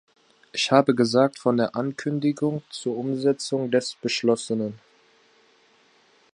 Ich habe gesagt, von der Ankündigung zur Umsetzung des Beschlossenen.